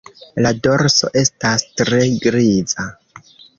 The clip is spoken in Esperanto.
La dorso estas tre griza.